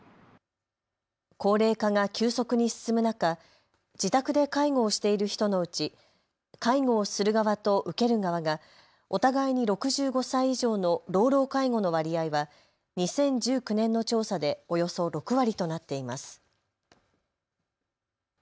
高齢化が急速に進む中、自宅で介護をしている人のうち介護をする側と受ける側がお互いに６５歳以上の老老介護の割合は２０１９年の調査でおよそ６割となっています。